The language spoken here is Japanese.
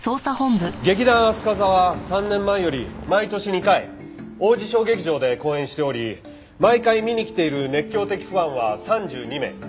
劇団飛鳥座は３年前より毎年２回王子小劇場で公演しており毎回見に来ている熱狂的ファンは３２名。